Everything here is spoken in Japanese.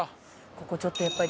ここちょっとやっぱり。